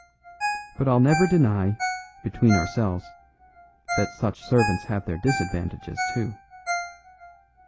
But I'll never deny, between ourselves, that such servants have their disadvantages, too."